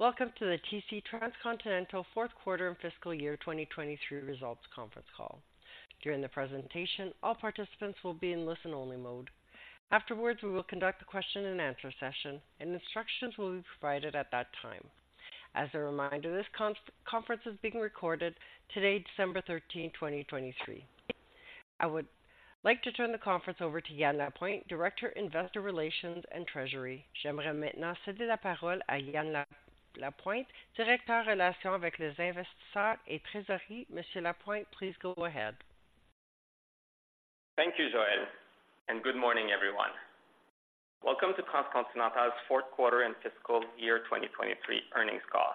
Welcome to the TC Transcontinental fourth quarter and fiscal year 2023 results conference call. During the presentation, all participants will be in listen-only mode. Afterwards, we will conduct a question-and-answer session, and instructions will be provided at that time. As a reminder, this conference is being recorded today, December thirteenth, 2023. I would like to turn the conference over to Yan Lapointe, Director, Investor Relations and Treasury. J'aimerais maintenant céder la parole à Yan Lapointe, Directeur, Relations avec les investisseurs et Trésorerie. Monsieur Lapointe, please go ahead. Thank you, Joelle, and good morning, everyone. Welcome to Transcontinental's fourth quarter and fiscal year 2023 earnings call.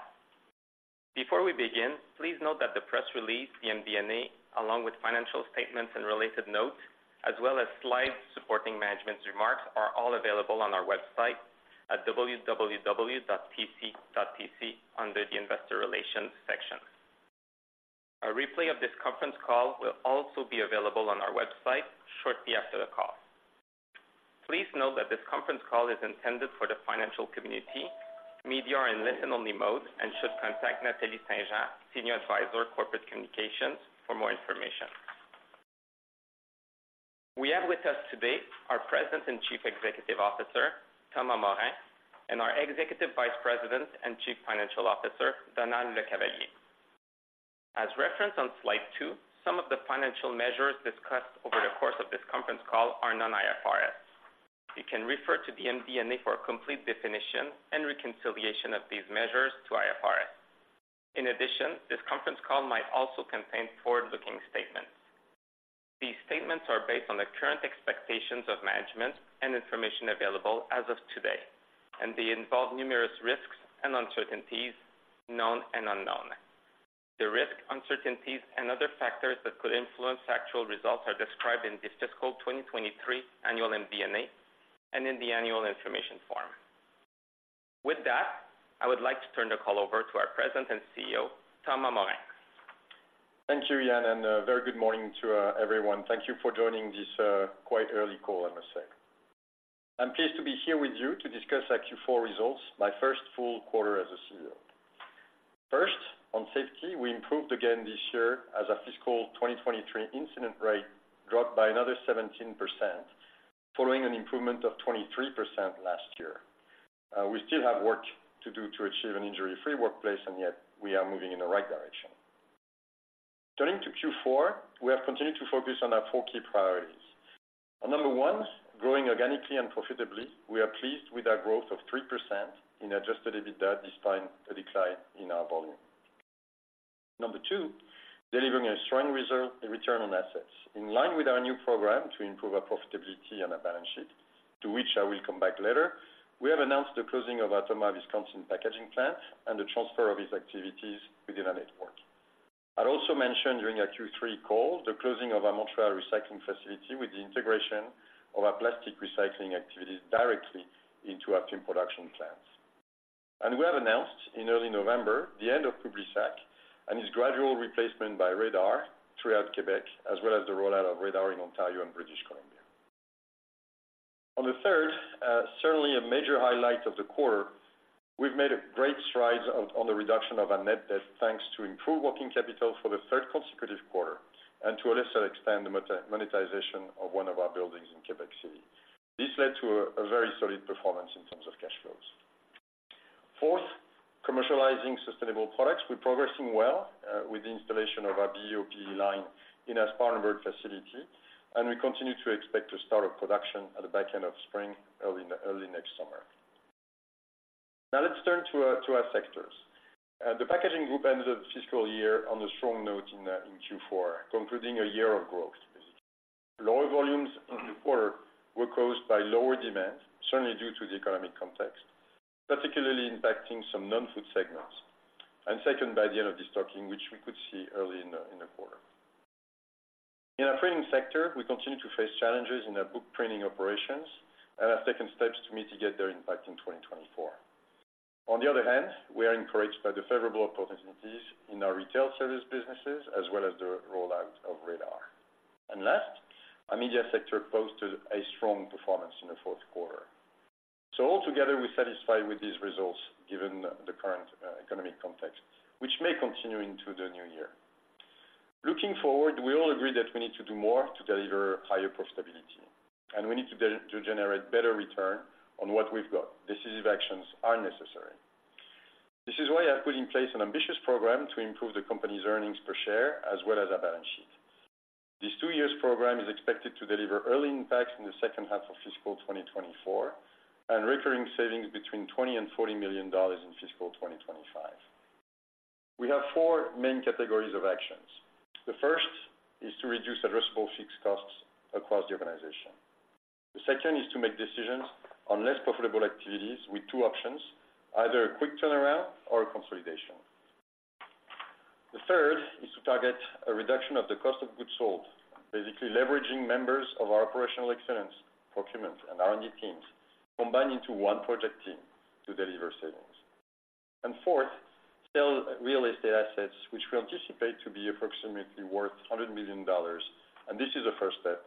Before we begin, please note that the press release, the MD&A, along with financial statements and related notes, as well as slides supporting management's remarks, are all available on our website at www.tc.tc under the Investor Relations section. A replay of this conference call will also be available on our website shortly after the call. Please note that this conference call is intended for the financial community. Media are in listen-only mode and should contact Nathalie St-Jean, Senior Advisor, Corporate Communications, for more information. We have with us today our President and Chief Executive Officer, Thomas Morin, and our Executive Vice President and Chief Financial Officer, Donald LeCavalier. As referenced on slide 2, some of the financial measures discussed over the course of this conference call are non-IFRS. You can refer to the MD&A for a complete definition and reconciliation of these measures to IFRS. In addition, this conference call might also contain forward-looking statements. These statements are based on the current expectations of management and information available as of today, and they involve numerous risks and uncertainties, known and unknown. The risks, uncertainties, and other factors that could influence actual results are described in this fiscal 2023 annual MD&A and in the Annual Information Form. With that, I would like to turn the call over to our President and CEO, Thomas Morin. Thank you, Yan, and a very good morning to everyone. Thank you for joining this quite early call, I must say. I'm pleased to be here with you to discuss our Q4 results, my first full quarter as a CEO. First, on safety, we improved again this year as our fiscal 2023 incident rate dropped by another 17%, following an improvement of 23% last year. We still have work to do to achieve an injury-free workplace, and yet we are moving in the right direction. Turning to Q4, we have continued to focus on our four key priorities. On number one, growing organically and profitably, we are pleased with our growth of 3% in Adjusted EBITDA, despite a decline in our volume. Number two, delivering a strong result and return on assets. In line with our new program to improve our profitability and our balance sheet, to which I will come back later, we have announced the closing of our Tomah, Wisconsin, packaging plant and the transfer of its activities within our network. I'd also mentioned during our Q3 call, the closing of our Montreal recycling facility with the integration of our plastic recycling activities directly into our team production plants. We have announced in early November, the end of Publisac and its gradual replacement by raddar throughout Quebec, as well as the rollout of raddar in Ontario and British Columbia. On the third, certainly a major highlight of the quarter, we've made a great stride on, on the reduction of our net debt, thanks to improved working capital for the third consecutive quarter and to a lesser extent, the monetization of one of our buildings in Quebec City. This led to a very solid performance in terms of cash flows. Fourth, commercializing sustainable products. We're progressing well with the installation of our BOPP line in our Spartanburg facility, and we continue to expect to start our production at the back end of spring, early next summer. Now, let's turn to our sectors. The packaging group ended the fiscal year on a strong note in Q4, concluding a year of growth. Lower volumes in the quarter were caused by lower demand, certainly due to the economic context, particularly impacting some non-food segments, and second, by the end of destocking, which we could see early in the quarter. In our printing sector, we continue to face challenges in our book printing operations and have taken steps to mitigate their impact in 2024. On the other hand, we are encouraged by the favorable opportunities in our retail service businesses, as well as the rollout of raddar. Last, our media sector posted a strong performance in the fourth quarter. Altogether, we're satisfied with these results, given the current economic context, which may continue into the new year. Looking forward, we all agree that we need to do more to deliver higher profitability, and we need to generate better return on what we've got. Decisive actions are necessary. This is why I put in place an ambitious program to improve the company's earnings per share as well as our balance sheet. This two years program is expected to deliver early impacts in the second half of fiscal 2024 and recurring savings between 20 million and 40 million dollars in fiscal 2025. We have four main categories of actions. The first is to reduce addressable fixed costs across the organization. The second is to make decisions on less profitable activities with two options, either a quick turnaround or a consolidation. The third is to target a reduction of the cost of goods sold, basically leveraging members of our operational excellence, procurement, and R&D teams, combined into one project team to deliver savings. And fourth, sell real estate assets, which we anticipate to be approximately worth 100 million dollars, and this is a first step,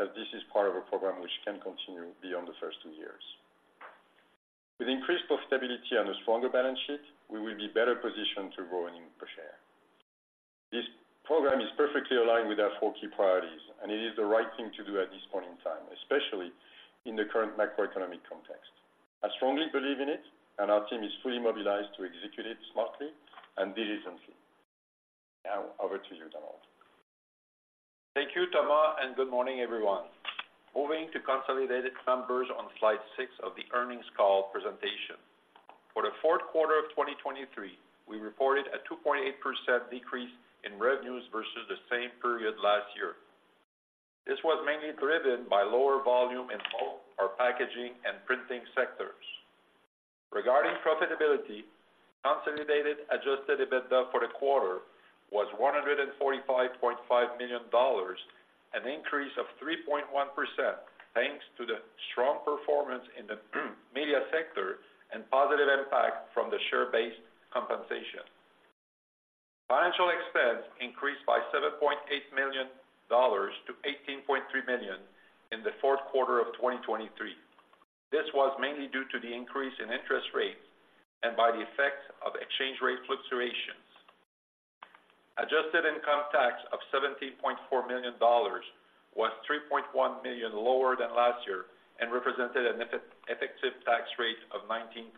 as this is part of a program which can continue beyond the first two years. With increased profitability and a stronger balance sheet, we will be better positioned to grow earnings per share. This program is perfectly aligned with our four key priorities, and it is the right thing to do at this point in time, especially in the current macroeconomic context. I strongly believe in it, and our team is fully mobilized to execute it smartly and diligently. Now, over to you, Donald. Thank you, Thomas, and good morning, everyone. Moving to consolidated numbers on slide 6 of the earnings call presentation. For the fourth quarter of 2023, we reported a 2.8% decrease in revenues versus the same period last year. This was mainly driven by lower volume in both our packaging and printing sectors. Regarding profitability, consolidated Adjusted EBITDA for the quarter was CAD 145.5 million, an increase of 3.1%, thanks to the strong performance in the media sector and positive impact from the share-based compensation. Financial expense increased by 7.8 million dollars to 18.3 million in the fourth quarter of 2023. This was mainly due to the increase in interest rates and by the effect of exchange rate fluctuations. Adjusted income tax of 17.4 million dollars was 3.1 million lower than last year and represented an effective tax rate of 19.6%.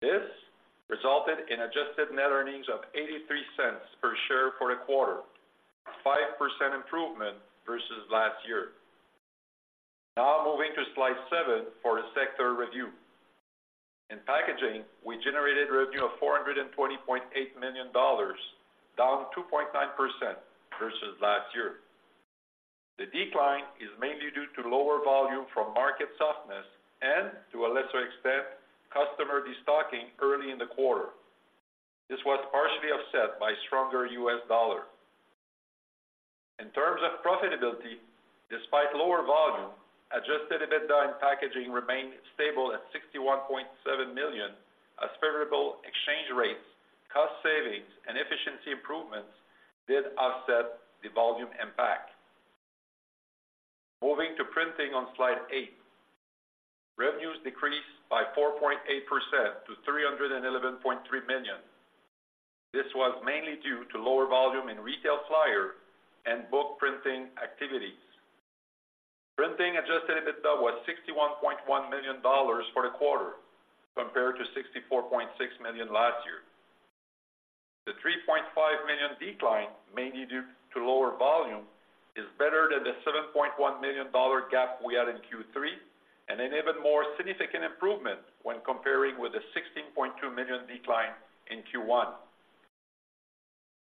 This resulted in adjusted net earnings of 0.83 per share for the quarter, a 5% improvement versus last year. Now, moving to slide 7 for the sector review. In packaging, we generated revenue of 420.8 million dollars, down 2.9% versus last year. The decline is mainly due to lower volume from market softness and, to a lesser extent, customer destocking early in the quarter. This was partially offset by stronger U.S. dollar. In terms of profitability, despite lower volume, adjusted EBITDA in packaging remained stable at 61.7 million, as favorable exchange rates, cost savings, and efficiency improvements did offset the volume impact. Moving to printing on slide 8. Revenues decreased by 4.8% to 311.3 million. This was mainly due to lower volume in retail flyer and book printing activities. Printing Adjusted EBITDA was 61.1 million dollars for the quarter, compared to 64.6 million last year. The 3.5 million decline, mainly due to lower volume, is better than the 7.1 million dollar gap we had in Q3, and an even more significant improvement when comparing with the 16.2 million decline in Q1.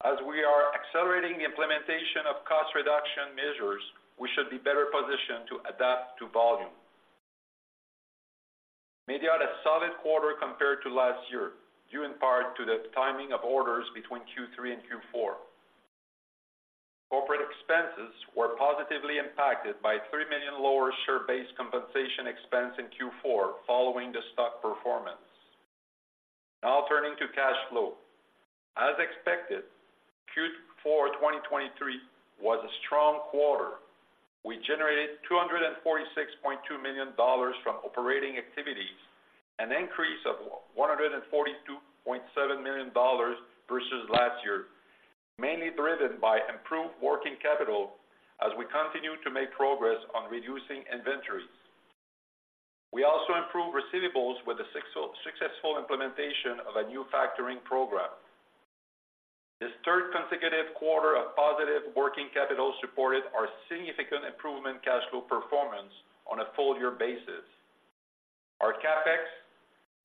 As we are accelerating the implementation of cost reduction measures, we should be better positioned to adapt to volume. Media had a solid quarter compared to last year, due in part to the timing of orders between Q3 and Q4. Corporate expenses were positively impacted by 3 million lower share-based compensation expense in Q4, following the stock performance. Now turning to cash flow. As expected, Q4 2023 was a strong quarter. We generated 246.2 million dollars from operating activities, an increase of 142.7 million dollars versus last year, mainly driven by improved working capital as we continue to make progress on reducing inventories. We also improved receivables with the successful implementation of a new factoring program. This third consecutive quarter of positive working capital supported our significant improvement cash flow performance on a full-year basis. Our CapEx,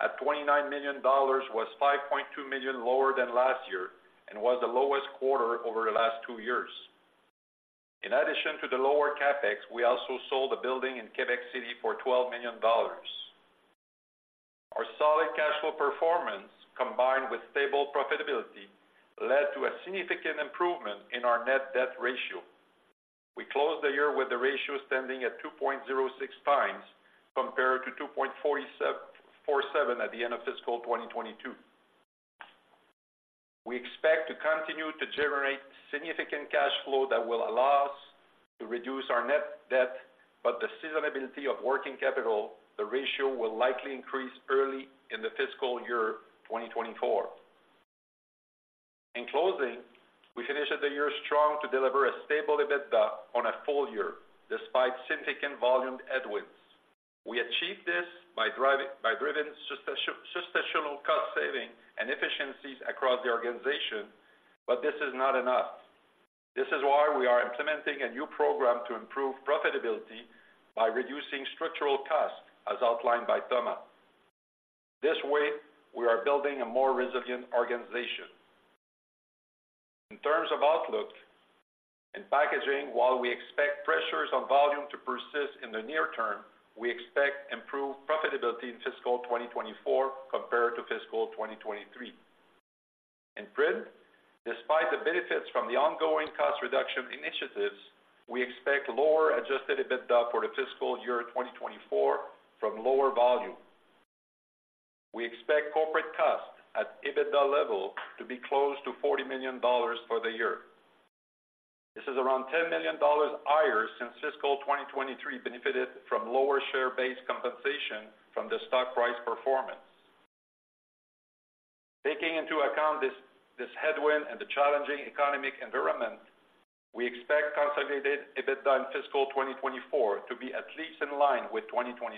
at 29 million dollars, was 5.2 million lower than last year and was the lowest quarter over the last two years. In addition to the lower CapEx, we also sold a building in Quebec City for 12 million dollars. Our solid cash flow performance, combined with stable profitability, led to a significant improvement in our net debt ratio. We closed the year with the ratio standing at 2.06 times, compared to 2.47 at the end of fiscal 2022. We expect to continue to generate significant cash flow that will allow us to reduce our net debt, but the seasonality of working capital, the ratio will likely increase early in the fiscal year 2024. In closing, we finished the year strong to deliver a stable EBITDA on a full year, despite significant volume headwinds. We achieved this by driving substantial cost saving and efficiencies across the organization, but this is not enough. This is why we are implementing a new program to improve profitability by reducing structural costs, as outlined by Thomas. This way, we are building a more resilient organization. In terms of outlook, in packaging, while we expect pressures on volume to persist in the near term, we expect improved profitability in fiscal 2024 compared to fiscal 2023. In print, despite the benefits from the ongoing cost reduction initiatives, we expect lower Adjusted EBITDA for the fiscal year 2024 from lower volume. We expect corporate costs at EBITDA level to be close to 40 million dollars for the year. This is around 10 million dollars higher since fiscal 2023 benefited from lower share-based compensation from the stock price performance. Taking into account this, this headwind and the challenging economic environment, we expect consolidated EBITDA in fiscal 2024 to be at least in line with 2023,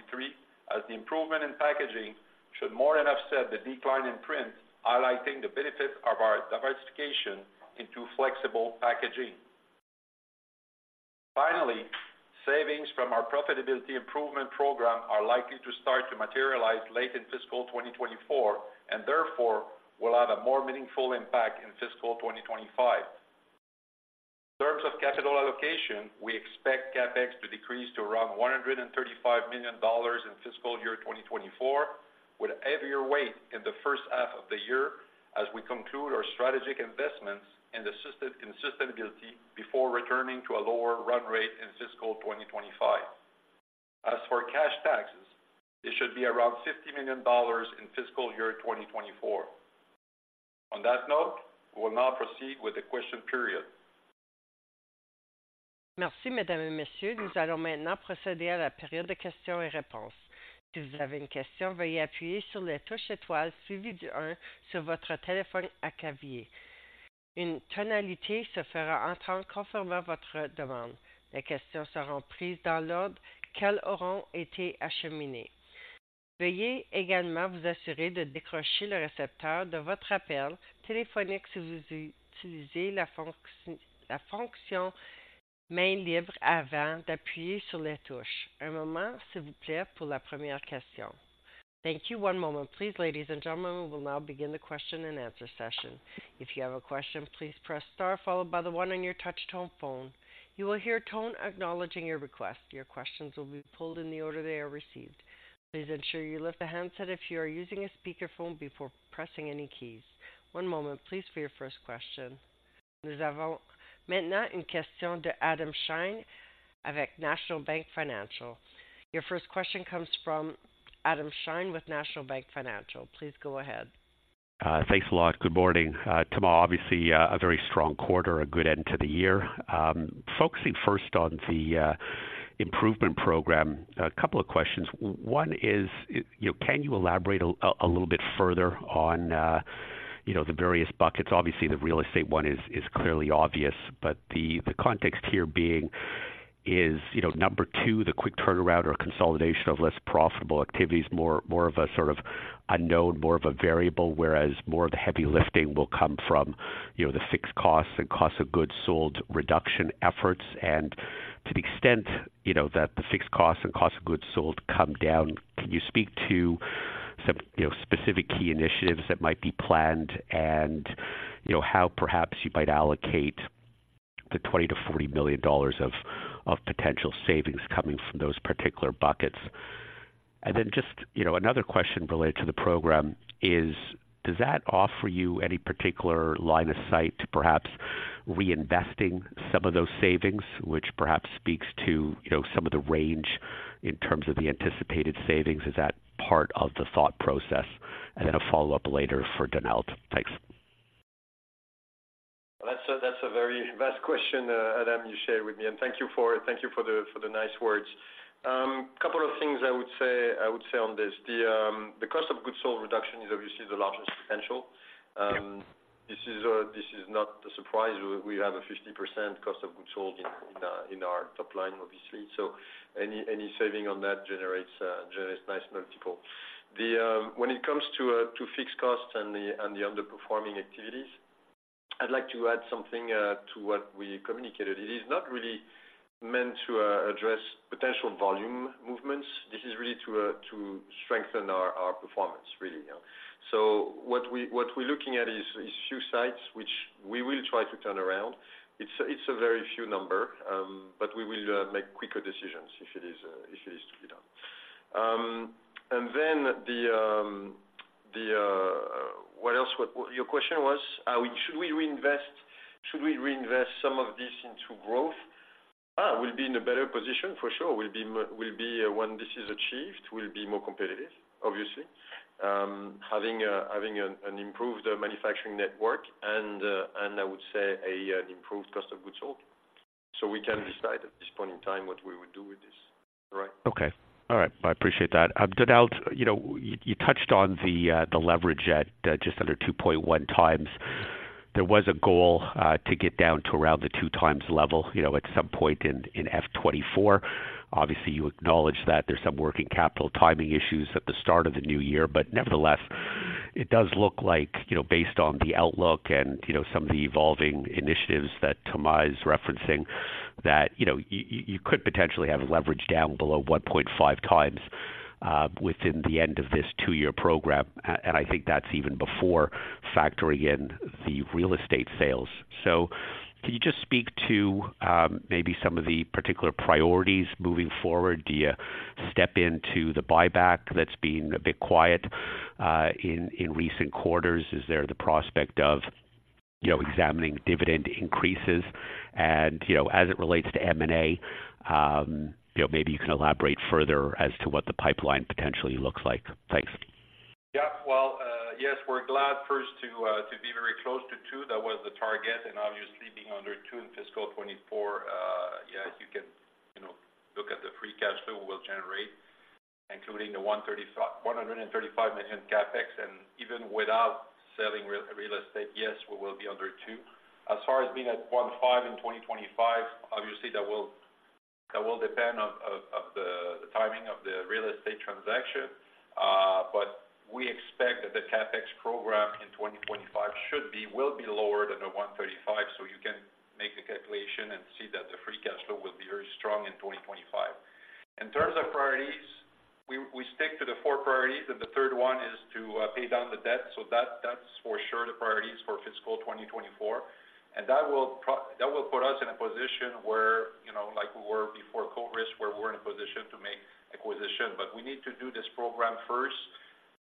as the improvement in packaging should more than offset the decline in print, highlighting the benefits of our diversification into flexible packaging. Finally, savings from our profitability improvement program are likely to start to materialize late in fiscal 2024, and therefore will have a more meaningful impact in fiscal 2025. In terms of capital allocation, we expect CapEx to decrease to around 135 million dollars in fiscal year 2024, with a heavier weight in the first half of the year as we conclude our strategic investments in sustainability before returning to a lower run rate in fiscal 2025. As for cash taxes, it should be around 50 million dollars in fiscal year 2024. On that note, we will now proceed with the question period. Merci, mesdames et messieurs. Nous allons maintenant procéder à la période de questions et réponses. Si vous avez une question, veuillez appuyer sur les touches étoiles suivie du un sur votre téléphone à clavier. Une tonalité se fera entendre confirmant votre demande. Les questions seront prises dans l'ordre qu'elles auront été acheminées. Veuillez également vous assurer de décrocher le récepteur de votre appel téléphonique si vous utilisez la fonction mains libres avant d'appuyer sur les touches. Un moment, s'il vous plaît, pour la première question. Thank you. One moment, please. Ladies and gentlemen, we will now begin the question and answer session. If you have a question, please press Star, followed by the one on your touchtone phone. You will hear a tone acknowledging your request. Your questions will be pulled in the order they are received. Please ensure you lift the handset if you are using a speakerphone before pressing any keys. One moment, please, for your first question. Nous avons maintenant une question de Adam Shine avec National Bank Financial. Your first question comes from Adam Shine with National Bank Financial. Please go ahead. Thanks a lot. Good morning. Thomas, obviously, a very strong quarter, a good end to the year. Focusing first on the improvement program, a couple of questions. One is, you know, can you elaborate a little bit further on, you know, the various buckets? Obviously, the real estate one is clearly obvious, but the context here being is, you know, number two, the quick turnaround or consolidation of less profitable activities, more, more of a sort of unknown, more of a variable, whereas more of the heavy lifting will come from, you know, the fixed costs and cost of goods sold, reduction efforts. To the extent, you know, that the fixed costs and cost of goods sold come down, can you speak to some, you know, specific key initiatives that might be planned and, you know, how perhaps you might allocate the 20-40 million dollars of potential savings coming from those particular buckets? Then just, you know, another question related to the program is: Does that offer you any particular line of sight to perhaps reinvesting some of those savings, which perhaps speaks to, you know, some of the range in terms of the anticipated savings? Is that part of the thought process? Then a follow-up later for Donald. Thanks. That's a very vast question, Adam, you share with me, and thank you for the nice words. Couple of things I would say on this. The cost of goods sold reduction is obviously the largest potential. This is not a surprise. We have a 50% cost of goods sold in our top line, obviously. So any saving on that generates nice multiple. When it comes to fixed costs and the underperforming activities, I'd like to add something to what we communicated. It is not really meant to address potential volume movements. This is really to strengthen our performance, really, you know? So what we're looking at is few sites, which we will try to turn around. It's a very few number, but we will make quicker decisions if it is to be done. And then the what else? What... Your question was, should we reinvest some of this into growth? Ah, we'll be in a better position for sure. We'll be, when this is achieved, we'll be more competitive, obviously, having an improved manufacturing network and I would say an improved cost of goods sold. So we can decide at this point in time what we would do with this. Right. Okay. All right, I appreciate that. Donald, you know, you touched on the leverage at just under 2.1 times. There was a goal to get down to around the 2 times level, you know, at some point in FY 2024. Obviously, you acknowledge that there's some working capital timing issues at the start of the new year, but nevertheless, it does look like, you know, based on the outlook and, you know, some of the evolving initiatives that Thomas is referencing, that, you know, you could potentially have leverage down below 1.5 times within the end of this two-year program, and I think that's even before factoring in the real estate sales. Can you just speak to maybe some of the particular priorities moving forward? Do you step into the buyback that's been a bit quiet in recent quarters? Is there the prospect of, you know, examining dividend increases? And, you know, as it relates to M&A, you know, maybe you can elaborate further as to what the pipeline potentially looks like. Thanks. Yeah. Well, yes, we're glad first to to be very close to 2. That was the target, and obviously being under 2 in fiscal 2024, yeah, you can, you know, look at the free cash flow we'll generate, including the 135 million CapEx, and even without selling real estate, yes, we will be under 2. As far as being at 1.5 in 2025, obviously, that will depend of the timing of the real estate transaction. But we expect that the CapEx program in 2025 should be, will be lower than the 135, so you can make the calculation and see that the free cash flow will be very strong in 2025. In terms of priorities, we stick to the four priorities, and the third one is to pay down the debt. So that's for sure the priorities for fiscal 2024. And that will put us in a position where, you know, like we were before COVID, where we're in a position to make acquisition. But we need to do this program first,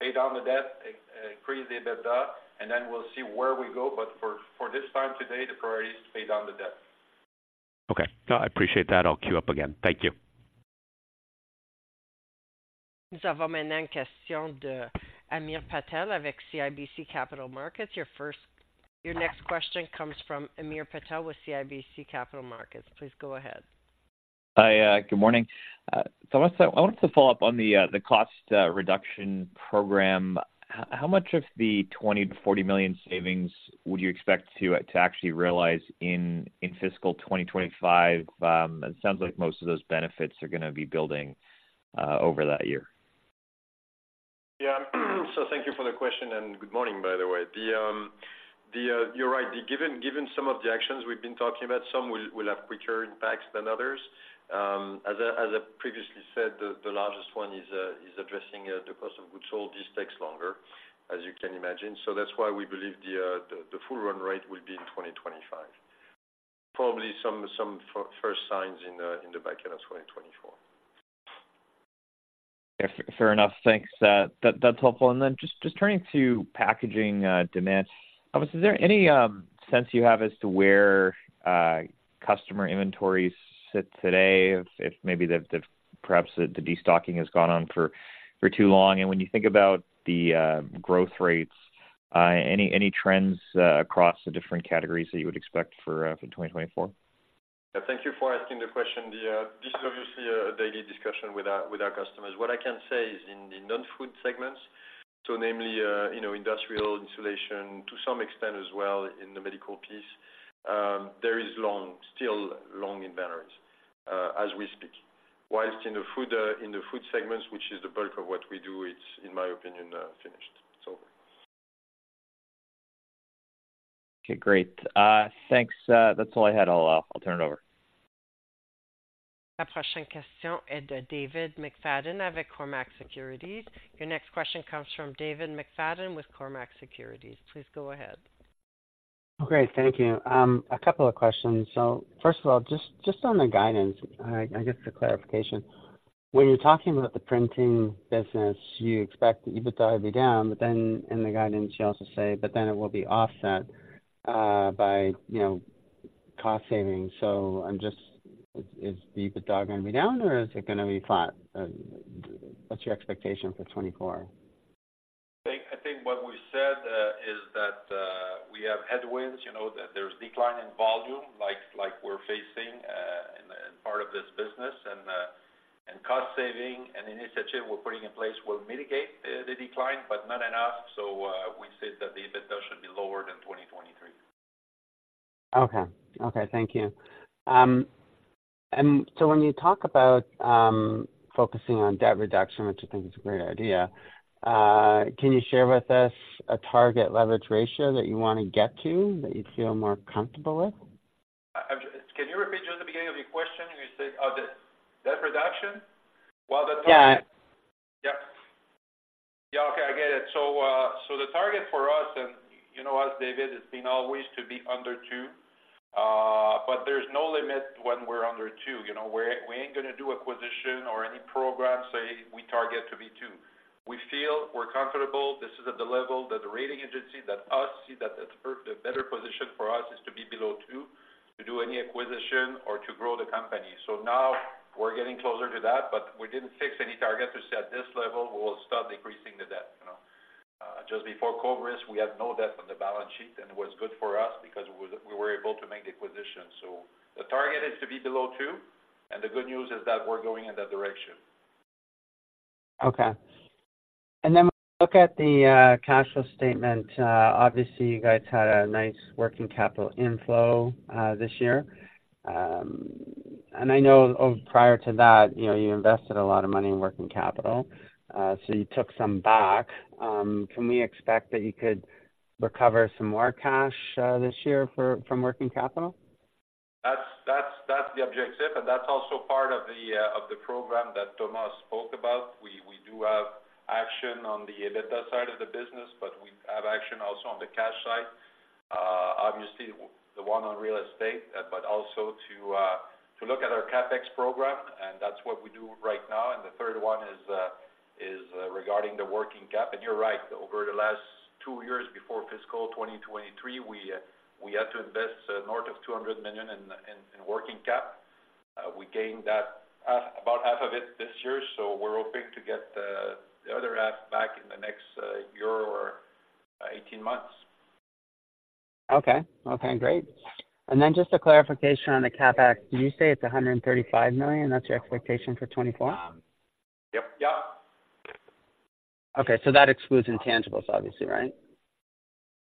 pay down the debt, increase the EBITDA, and then we'll see where we go. But for this time today, the priority is to pay down the debt. Okay, I appreciate that. I'll queue up again. Thank you. Amir Patel with CIBC Capital Markets. Your next question comes from Amir Patel with CIBC Capital Markets. Please go ahead. Hi, good morning. Thomas, I wanted to follow up on the cost reduction program. How much of the 20 million-40 million savings would you expect to actually realize in fiscal 2025? It sounds like most of those benefits are gonna be building over that year. Yeah, so thank you for the question, and good morning, by the way. The, the, you're right. Given, given some of the actions we've been talking about, some will, will have quicker impacts than others. As I, as I previously said, the, the largest one is, is addressing, the cost of goods sold. This takes longer, as you can imagine. So that's why we believe the, the, the full run rate will be in 2025. Probably some, some first signs in, in the back end of 2024. Fair enough. Thanks. That's helpful. And then just turning to packaging demand. Is there any sense you have as to where customer inventories sit today? If maybe the destocking has gone on for too long, and when you think about the growth rates, any trends across the different categories that you would expect for 2024? Thank you for asking the question. This is obviously a daily discussion with our customers. What I can say is in the non-food segments, so namely, you know, industrial insulation to some extent as well in the medical piece, there is still long inventories as we speak. Whilst in the food segments, which is the bulk of what we do, it's, in my opinion, finished. It's over. Okay, great. Thanks. That's all I had. I'll turn it over. David McFadgen with Cormark Securities. Your next question comes from David McFadgen with Cormark Securities. Please go ahead. Great. Thank you. A couple of questions. So first of all, just on the guidance, I guess for clarification. When you're talking about the printing business, you expect the EBITDA to be down, but then in the guidance, you also say, but then it will be offset by, you know, cost savings. So I'm just. Is the EBITDA gonna be down or is it gonna be flat? What's your expectation for 2024? I think, I think what we said is that we have headwinds, you know, that there's decline in volume, like we're facing in part of this business, and cost saving and initiative we're putting in place will mitigate the decline, but not enough. So, we said that the EBITDA should be lower than 2023. Okay. Okay, thank you. And so when you talk about focusing on debt reduction, which I think is a great idea, can you share with us a target leverage ratio that you want to get to, that you'd feel more comfortable with? Can you repeat just the beginning of your question? You said, the debt reduction? Well, the target- Yeah. Yep. Yeah, okay, I get it. So, so the target for us and, you know us, David, it's been always to be under 2, but there's no limit when we're under 2. You know, we're, we ain't gonna do acquisition or any program, say, we target to be 2. We feel we're comfortable. This is at the level that the rating agency, that we see that the better position for us is to be below 2, to do any acquisition or to grow the company. So now we're getting closer to that, but we didn't fix any target to say at this level, we will start decreasing the debt, you know. Just before COVID, we had no debt on the balance sheet, and it was good for us because we were, we were able to make the acquisition. The target is to be below two, and the good news is that we're going in that direction. Okay. And then when we look at the cash flow statement, obviously, you guys had a nice working capital inflow this year. And I know of prior to that, you know, you invested a lot of money in working capital, so you took some back. Can we expect that you could recover some more cash this year for, from working capital?... That's the objective, and that's also part of the program that Thomas spoke about. We do have action on the EBITDA side of the business, but we have action also on the cash side. Obviously, the one on real estate, but also to look at our CapEx program, and that's what we do right now. And the third one is regarding the working cap. And you're right, over the last 2 years before fiscal 2023, we had to invest north of 200 million in working cap. We gained that, half, about half of it this year, so we're hoping to get the other half back in the next year or 18 months. Okay. Okay, great. And then just a clarification on the CapEx. Did you say it's 135 million? That's your expectation for 2024? Yep. Yep. Okay, so that excludes intangibles, obviously, right?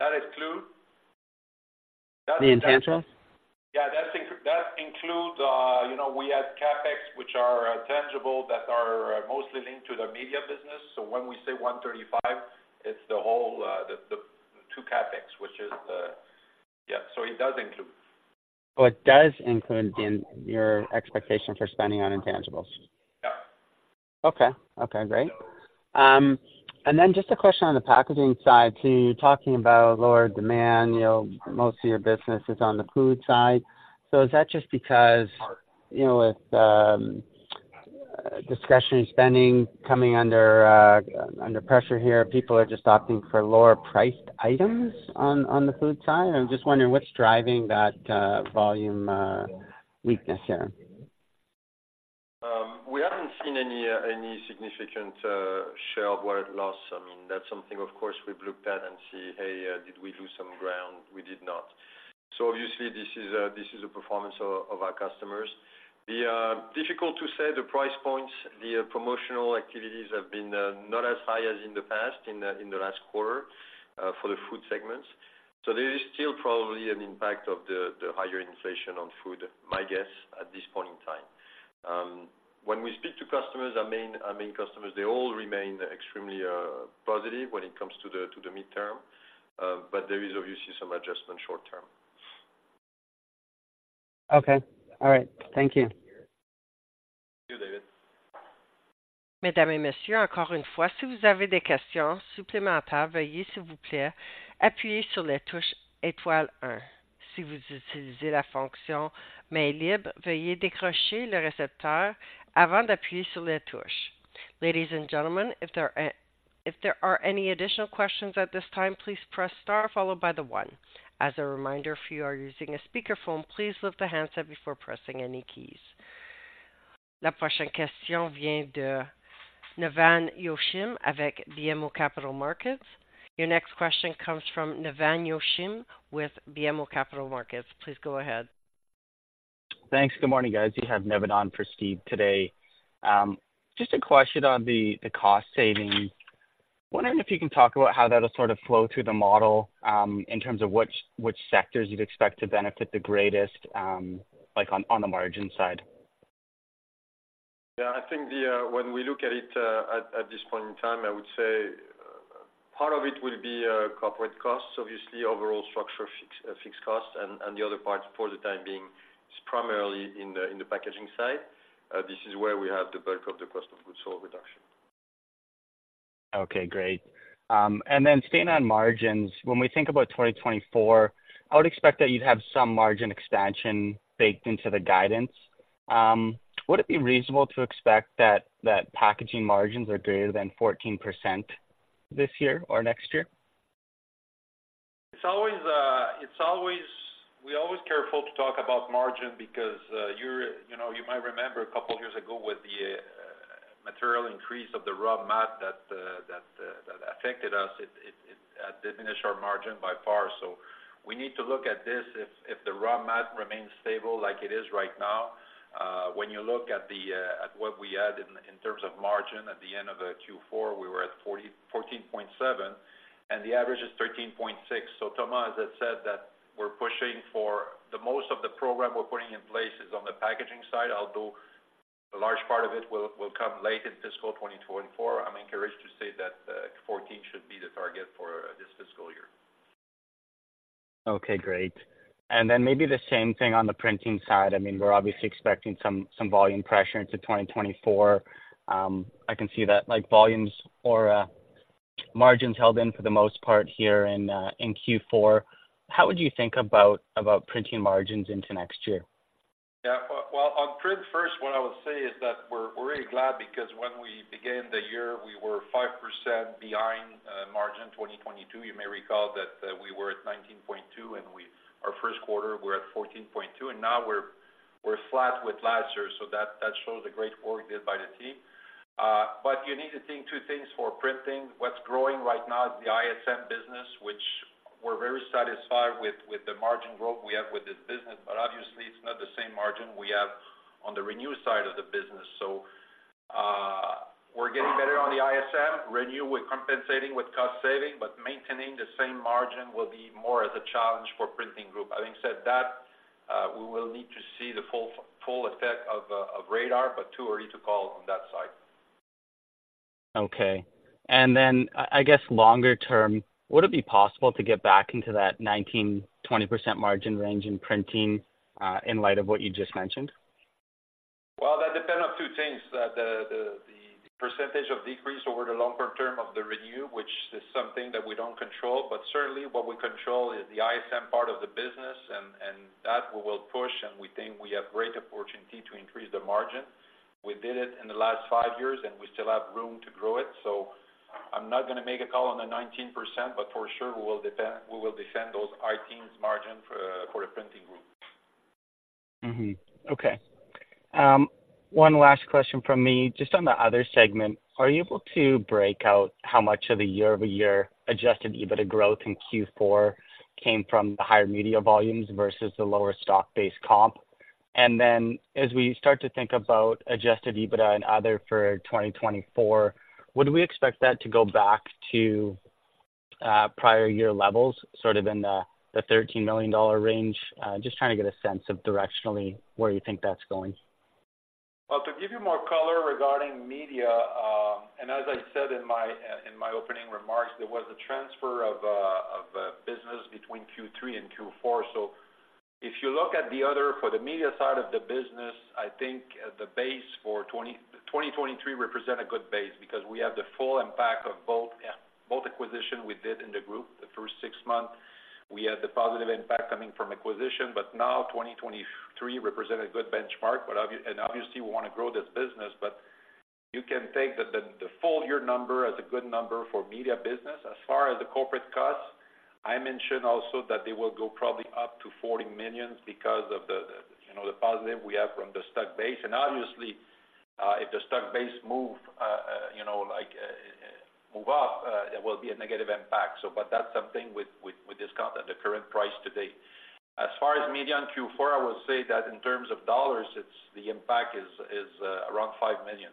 That includes- The intangibles? Yeah, that includes, you know, we had CapEx, which are tangible, that are mostly linked to the media business. So when we say 135, it's the whole, the two CapEx, which is the... Yep, so it does include. Oh, it does include in your expectation for spending on intangibles? Yep. Okay. Okay, great. And then just a question on the packaging side, too. You're talking about lower demand, you know, most of your business is on the food side. So is that just because, you know, with discretionary spending coming under pressure here, people are just opting for lower priced items on the food side? I'm just wondering what's driving that volume weakness here? We haven't seen any any significant share of wallet loss. I mean, that's something of course, we've looked at and see, hey, did we lose some ground? We did not. So obviously, this is a, this is a performance of, of our customers. The difficult to say, the price points, the promotional activities have been not as high as in the past, in the in the last quarter for the food segments. So there is still probably an impact of the the higher inflation on food, my guess, at this point in time. When we speak to customers, our main our main customers, they all remain extremely positive when it comes to the to the midterm, but there is obviously some adjustment short term. Okay. All right. Thank you. Thank you, David. Ladies and gentlemen, if there are any additional questions at this time, please press star followed by the one. As a reminder, if you are using a speakerphone, please lift the handset before pressing any keys. Your next question comes from Nevan Yochim with BMO Capital Markets. Please go ahead. Thanks. Good morning, guys. You have Nevan on for Steve today. Just a question on the cost savings. Wondering if you can talk about how that'll sort of flow through the model, in terms of which sectors you'd expect to benefit the greatest, like, on the margin side? Yeah, I think the, when we look at it, at this point in time, I would say part of it will be corporate costs, obviously, overall structure, fixed costs, and the other part, for the time being, is primarily in the packaging side. This is where we have the bulk of the cost of goods sold reduction. Okay, great. And then staying on margins, when we think about 2024, I would expect that you'd have some margin expansion baked into the guidance. Would it be reasonable to expect that packaging margins are greater than 14% this year or next year? It's always, it's always—we're always careful to talk about margin because, you know, you might remember a couple of years ago with the material increase of the raw mat that affected us, it diminished our margin by far. So we need to look at this if the raw mat remains stable like it is right now, when you look at what we had in terms of margin at the end of the Q4, we were at 14.7, and the average is 13.6. So Thomas has said that we're pushing for... The most of the program we're putting in place is on the packaging side, although a large part of it will come late in fiscal 2024. I'm encouraged to say that, 14 should be the target for this fiscal year. Okay, great. Then maybe the same thing on the printing side. I mean, we're obviously expecting some volume pressure into 2024. I can see that like volumes or margins held in for the most part here in Q4. How would you think about printing margins into next year? Yeah, well, on print, first, what I would say is that we're really glad because when we began the year, we were 5% behind margin 2022. You may recall that we were at 19.2, and our first quarter, we're at 14.2, and now we're flat with last year, so that shows the great work done by the team. But you need to think two things for printing. What's growing right now is the ISM business, which we're very satisfied with, with the margin growth we have with this business, but obviously it's not the same margin we have on the renew side of the business. So, we're getting better on the ISM. Renew, we're compensating with cost saving, but maintaining the same margin will be more as a challenge for printing group. Having said that, we will need to see the full, full effect of raddar, but too early to call on that side.... Okay. And then, I guess longer term, would it be possible to get back into that 19%-20% margin range in printing, in light of what you just mentioned? Well, that depend on two things. The percentage of decrease over the long-term term of the renew, which is something that we don't control. But certainly, what we control is the ISM part of the business, and that we will push, and we think we have great opportunity to increase the margin. We did it in the last five years, and we still have room to grow it. So I'm not gonna make a call on the 19%, but for sure, we will defend those high teens margin for the printing group. Mm-hmm. Okay. One last question from me. Just on the other segment, are you able to break out how much of the year-over-year Adjusted EBITDA growth in Q4 came from the higher media volumes versus the lower stock-based comp? And then, as we start to think about Adjusted EBITDA and other for 2024, would we expect that to go back to prior year levels, sort of in the 13 million dollar range? Just trying to get a sense of directionally where you think that's going. Well, to give you more color regarding media, and as I said in my opening remarks, there was a transfer of business between Q3 and Q4. So if you look at the other, for the media side of the business, I think, the base for 2023 represent a good base because we have the full impact of both, both acquisition we did in the group. The first six months, we had the positive impact coming from acquisition, but now 2023 represent a good benchmark. But obviously, we wanna grow this business, but you can take the full year number as a good number for media business. As far as the corporate costs, I mentioned also that they will go probably up to 40 million because of the you know, the positive we have from the stock base. And obviously, if the stock base move, you know, like, move up, it will be a negative impact. So, but that's something with discount at the current price today. As far as media in Q4, I will say that in terms of dollars, it's the impact is around 5 million,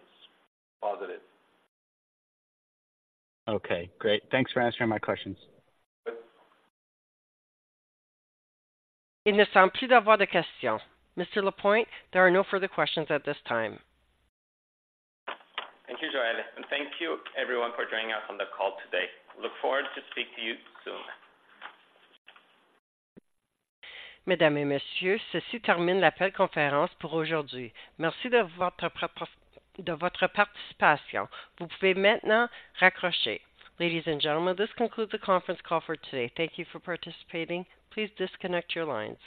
positive. Okay, great. Thanks for answering my questions. Good. Mr. Lapointe, there are no further questions at this time. Thank you, Joelle, and thank you everyone for joining us on the call today. Look forward to speak to you soon. Ladies and gentlemen, this concludes the conference call for today. Thank you for participating. Please disconnect your lines.